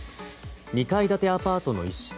２階建てアパートの一室